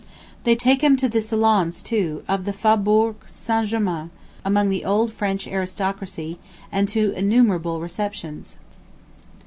They take him to the salons, too, of the Faubourg St. Germain, among the old French aristocracy, and to innumerable receptions.